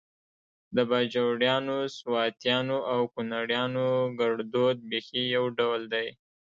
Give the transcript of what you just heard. د باجوړیانو، سواتیانو او کونړیانو ګړدود بیخي يو ډول دی